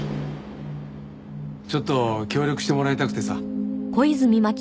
ちょっと協力してもらいたくてさ。